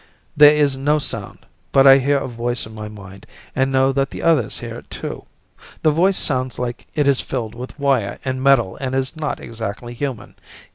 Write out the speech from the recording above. There is no sound, but I hear a voice in my mind and know that the others hear it too. The voice sounds like it is filled with wire and metal and is not exactly human.